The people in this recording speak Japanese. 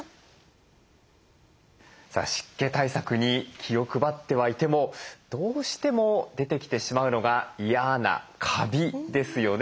さあ湿気対策に気を配ってはいてもどうしても出てきてしまうのが嫌なカビですよね。